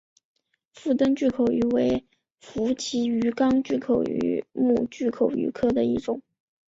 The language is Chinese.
腹灯巨口鱼为辐鳍鱼纲巨口鱼目巨口鱼科的其中一种。